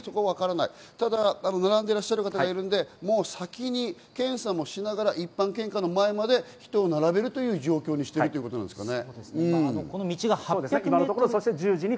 ただ並んでいらっしゃる方がいるので、先に検査もしながら一般献花のまで人を並べるという状況にしているんですね。